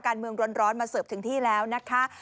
การเมืองร้อนมาเสิร์ฟถึงที่แล้วนะคะ